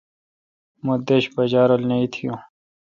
مہ دݭ بجہ رول نہ اتھی یوں۔